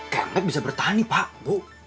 kempek bisa bertani pak bu